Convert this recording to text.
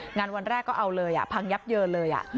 งานวันแรกก็เอาเลยอ่ะพังยับเยอะเลยอ่ะ